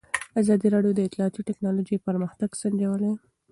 ازادي راډیو د اطلاعاتی تکنالوژي پرمختګ سنجولی.